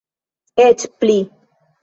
Eĉ pli.